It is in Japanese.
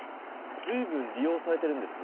ずいぶん利用されてるんですね。